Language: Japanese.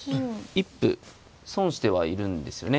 一歩損してはいるんですよね。